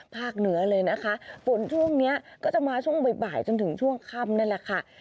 เหนือเลยนะคะฝนช่วงนี้ก็จะมาช่วงบ่ายจนถึงช่วงค่ำนั่นแหละค่ะ